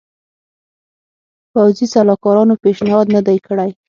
پوځي سلاکارانو پېشنهاد نه دی کړی.